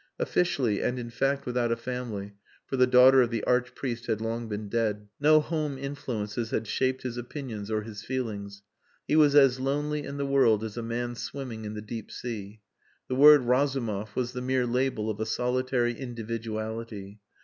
Officially and in fact without a family (for the daughter of the Archpriest had long been dead), no home influences had shaped his opinions or his feelings. He was as lonely in the world as a man swimming in the deep sea. The word Razumov was the mere label of a solitary individuality.